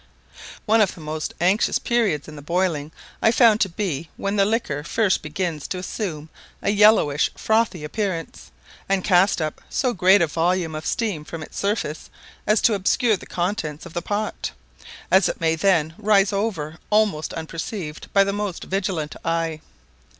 One of the most anxious periods in the boiling I found to be when the liquor began first to assume a yellowish frothy appearance, and cast up so great a volume of steam from its surface as to obscure the contents of the pot; as it may then rise over almost unperceived by the most vigilant eye.